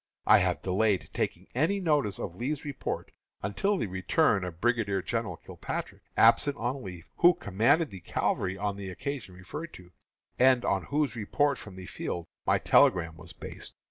I have delayed taking any notice of Lee's report until the return of Brigadier General Kilpatrick, absent on leave, who commanded the cavalry on the occasion referred to, and on whose report from the field my telegram was based.